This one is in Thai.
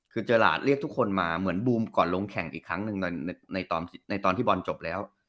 คือเจอหลาดเรียกทุกคนมาเหมือนบูมก่อนลงแข่งอีกครั้งหนึ่งในตอนที่บอลจบแล้ว